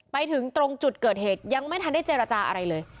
ไปถึงตรงจุดเกิดเหตุยังไม่ทันได้เจรจาอะไรเลย